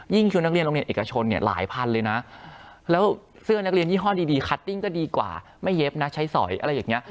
ชุดนักเรียนโรงเรียนเอกชนเนี่ยหลายพันเลยนะแล้วเสื้อนักเรียนยี่ห้อดีคัตติ้งก็ดีกว่าไม่เย็บนะใช้สอยอะไรอย่างนี้